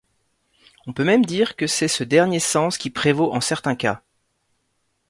On peut même dire que c'est ce dernier sens qui prévaut en certains cas.